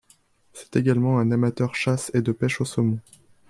C'est également un amateur chasse et de pêche au saumon.